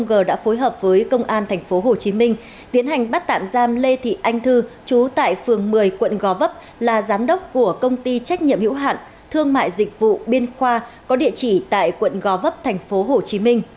năm g đã phối hợp với công an tp hcm tiến hành bắt tạm giam lê thị anh thư chú tại phường một mươi quận gò vấp là giám đốc của công ty trách nhiệm hữu hạn thương mại dịch vụ biên khoa có địa chỉ tại quận gò vấp tp hcm